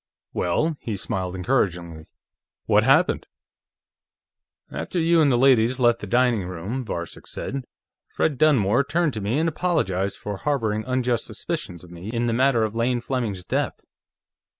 "Well?" He smiled encouragingly. "What happened?" "After you and the ladies left the dining room," Varcek said, "Fred Dunmore turned to me and apologized for harboring unjust suspicions of me in the matter of Lane Fleming's death.